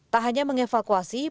tak hanya mengevakuasi